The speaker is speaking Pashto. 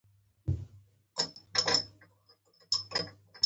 چرګان د خپل ساحې حدود پېژني.